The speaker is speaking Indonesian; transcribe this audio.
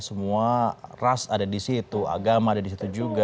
semua ras ada di situ agama ada di situ juga